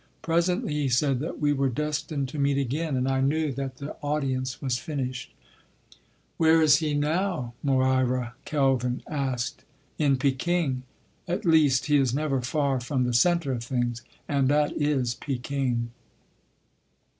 Presently he said that we were destined to meet again—and I knew that the audience was finished." "Where is he now?" Moira Kelvin asked. "In Peking—at least, he is never far from the centre of things, and that is Peking."